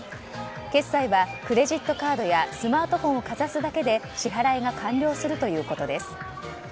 決済はクレジットカードやスマートフォンをかざすだけで支払いが完了するということです。